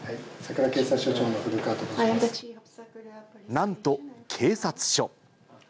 なんと警察署。